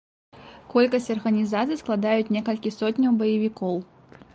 Колькасць арганізацыі складаюць некалькі сотняў баевікоў.